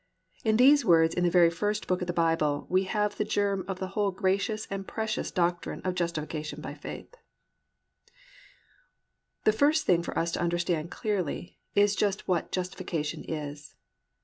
In these words in the very first book in the Bible we have the germ of the whole gracious and precious doctrine of Justification by Faith. I. WHAT IS JUSTIFICATION? The first thing for us to understand clearly is just what justification is.